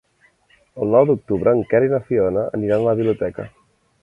El nou d'octubre en Quer i na Fiona aniran a la biblioteca.